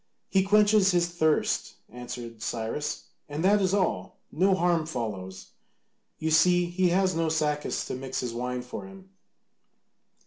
"He quenches his thirst," answered Cyrus, "and that is all. No harm follows. You see, he has no Sacas to mix his wine for him."